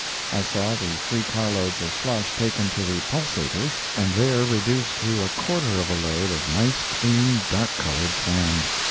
I saw the 3 carloads of slush taken to the "pulsators" and there reduced to a quarter of a load of nice clean dark colored sand.